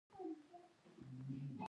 د ستاينو وړ يواځې الله تعالی دی